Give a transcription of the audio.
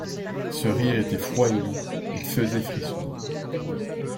Ce rire était froid et doux, et faisait frissonner.